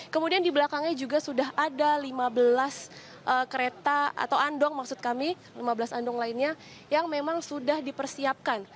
kemudian di belakangnya juga sudah ada lima belas kereta atau andong maksud kami lima belas andong lainnya yang memang sudah dipersiapkan